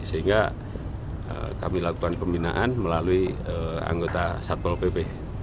sehingga kami lakukan pembinaan melalui anggota satpol pp